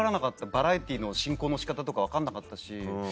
バラエティーの進行の仕方とか分かんなかったし。